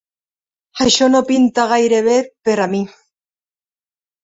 Això no pinta gaire bé per a mi!